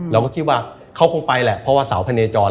เราก็คิดว่าเขาคงไปแหละเพราะว่าสาวพะเนจร